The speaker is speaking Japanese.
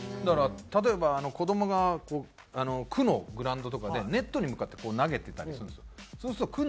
だから例えば子どもが区のグラウンドとかでネットに向かってこう投げてたりするんですよ。